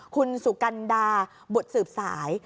คุณสุกัลดาบอดสืบสาย